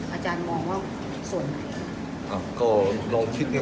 ผสมตรงนี้เนี่ยอเจมส์อาจารย์มองว่าส่วนไหน